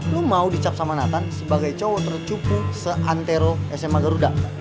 lo mau dicap sama nathan sebagai cowok tercupu se antero sma garuda